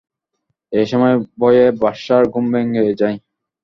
এ সময় ভয়ে বাদশাহর ঘুম ভেঙে যায়।